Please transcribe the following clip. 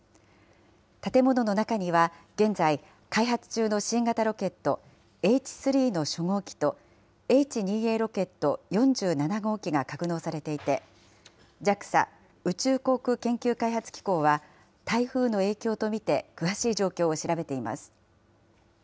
建物の中には現在、開発中の新型ロケットＨ３の初号機とＨ２Ａロケット４７号機が格納されていてＪＡＸＡ宇宙航空研究開発機構は台風の影響とみて詳しい状況を調べています。